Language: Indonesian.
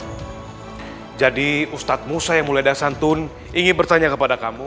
hai jadi ustadz musa yang mulai dasantun ingin bertanya kepada kamu